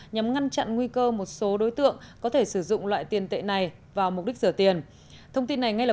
nhằm ngăn chặn nguy cơ một số đối tượng có thể sử dụng